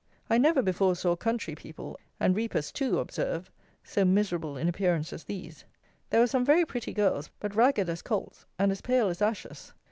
I never before saw country people, and reapers too, observe, so miserable in appearance as these. There were some very pretty girls, but ragged as colts and as pale as ashes.